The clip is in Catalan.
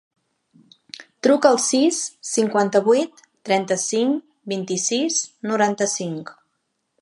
Truca al sis, cinquanta-vuit, trenta-cinc, vint-i-sis, noranta-cinc.